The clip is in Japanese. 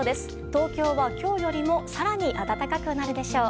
東京は、今日よりも更に暖かくなるでしょう。